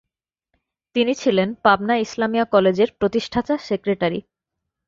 তিনি ছিলেন পাবনা ইসলামিয়া কলেজের প্রতিষ্ঠাতা সেক্রেটারী।